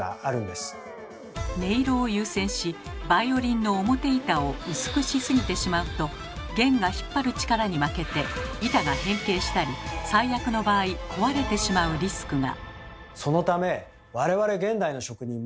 音色を優先しバイオリンの表板を薄くしすぎてしまうと弦が引っ張る力に負けて板が変形したり最悪の場合壊れてしまうリスクが。